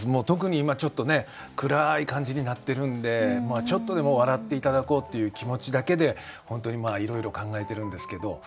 特に今ちょっとね暗い感じになってるんでちょっとでも笑って頂こうっていう気持ちだけで本当にいろいろ考えてるんですけど。